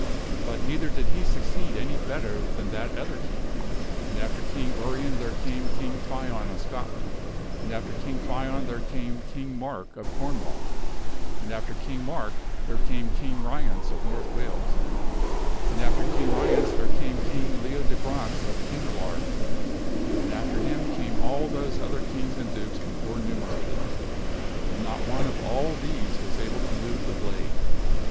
But neither did he succeed any better than that other king. And after King Urien there came King Fion of Scotland, and after King Fion there came Kins: Mark of Cornwall, and after King Mark there came Sundry others make assay and King Ryence of North Wales, and after King Ryence there f ailf came King Leodegrance of Cameliard, and after him came all those other kings and dukes before numerated, and not one of all these was able to move the blade.